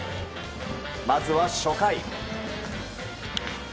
まずは初回。